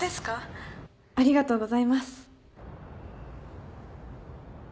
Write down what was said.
ありがとうございます。